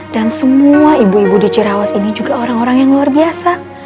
dan semua ibu ibu di cireawas ini juga orang orang yang luar biasa